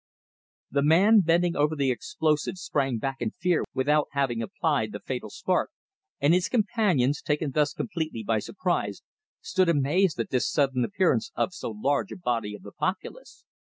The man bending over the explosive sprang back in fear without having applied the fatal spark, and his companions, taken thus completely by surprise, stood amazed at this sudden appearance of so large a body of the populace.